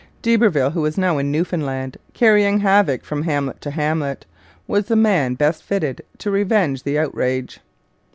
D'Iberville, who was now in Newfoundland, carrying havoc from hamlet to hamlet, was the man best fitted to revenge the outrage.